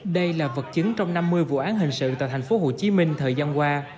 đây là vật chứng trong năm mươi vụ án hình sự tại tp hcm thời gian qua